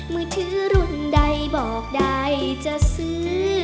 มือถือรุ่นใดบอกได้จะซื้อ